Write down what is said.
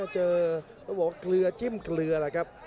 เจอต้องบอกว่าเกลือจิ้มเกลือล่ะครับ